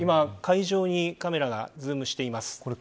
今、会場にカメラがズームしています。